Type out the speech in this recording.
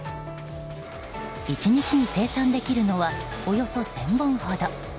１日に生産できるのはおよそ１０００本ほど。